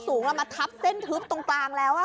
ข้อกสูงเรามาทับเส้นทึบตรงกลางแล้วค่ะ